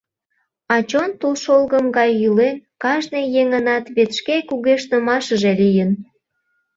А чон тулшолгым гай йӱлен, кажне еҥынат вет шке кугешнымашыже лийын.